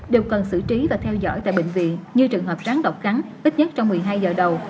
đều cần xử trí và theo dõi tại bệnh viện như trường hợp ráng độc cắn ít nhất trong một mươi hai giờ đầu